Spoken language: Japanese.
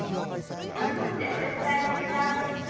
「すぐってどれくらいのじかんですか？」